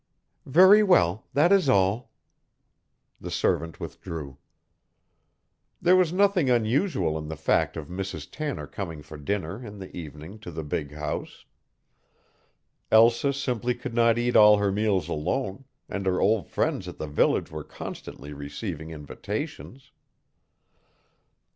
"Very well. That is all." The servant withdrew. There was nothing unusual in the fact of Mrs. Tanner coming for dinner in the evening to the big house. Elsa simply could not eat all her meals alone, and her old friends at the village were constantly receiving invitations.